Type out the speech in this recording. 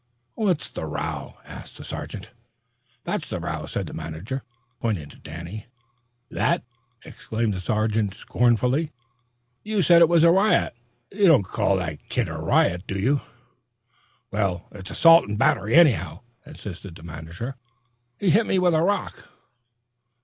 "What's the row?" asked the sergeant. "That's the row," said the manager, pointing to Danny. "That!" exclaimed the sergeant scornfully. "You said it was a riot. You don't call that kid a riot, do you?" "Well, it's assault and battery, anyhow," insisted the manager. "He hit me with a rock."